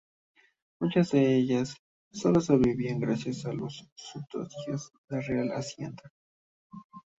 Muchas de ellas sólo sobrevivían gracias a los subsidios de la Real Hacienda.